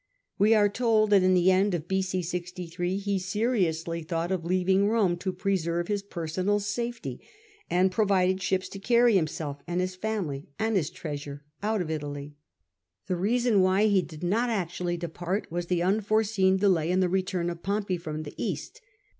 We are told that in the end of b.c. 63 he seriously thought of leaving Rome to preserve his per sonal safety, and provided ships to carry himself, his family, and his treasures out of Italy. The reason why he did not actually depart was the unforeseen delay in the return of Pompey from the East.